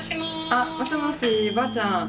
あもしもしばあちゃん。